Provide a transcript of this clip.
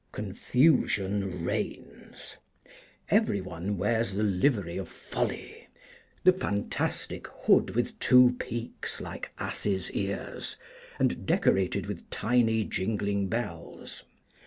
Confusion reigns. Every one wears the livery of Folly, the fantastic hood with two peaks like asses' ears, and decorated with tiny jingling bells.